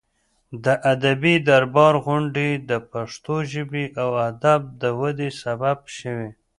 د ادبي دربار غونډې د پښتو ژبې او ادب د ودې سبب شوې.